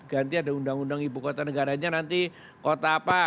ganti ada undang undang ibu kota negaranya nanti kota apa